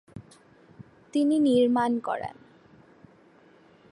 তিনি নির্মাণ করান।